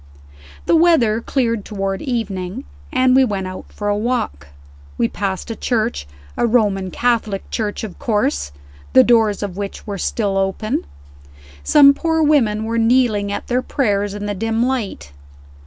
The weather cleared toward evening, and we went out for a walk. We passed a church a Roman Catholic church, of course the doors of which were still open. Some poor women were kneeling at their prayers in the dim light.